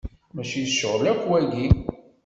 Mačči d ccɣel akk, wagi.